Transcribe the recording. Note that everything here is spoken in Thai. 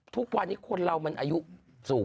ทุกวันนี้คนเรามันอายุสูง